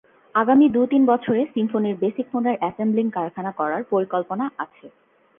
আগামী দু-তিন বছরে সিম্ফনির বেসিক ফোনের অ্যাসেম্বলিং কারখানা করার পরিকল্পনা আছে।